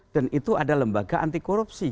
dan itu ada lembaga anti korupsi